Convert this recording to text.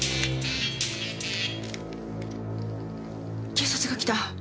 警察が来た。